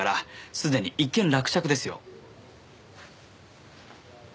すでに一件落着ですよ。